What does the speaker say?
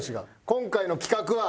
今回の企画は。